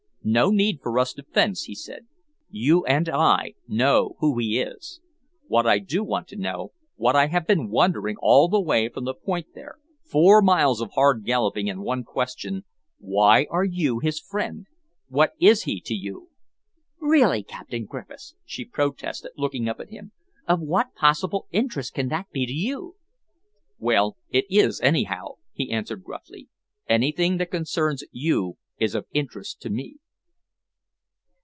"No need for us to fence," he said. "You and I know who he is. What I do want to know, what I have been wondering all the way from the point there four miles of hard galloping and one question why are you his friend? What is he to you?" "Really, Captain Griffiths," she protested, looking up at him, "of what possible interest can that be to you?" "Well, it is, anyhow," he answered gruffly. "Anything that concerns you is of interest to me."